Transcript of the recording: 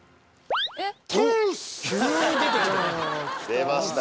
出ました